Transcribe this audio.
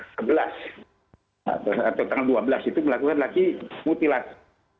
atau tanggal dua belas itu melakukan lagi mutilasi